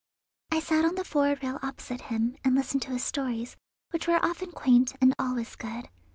I sat on the forward rail opposite him, and listened to his stories, which were often quaint and always good.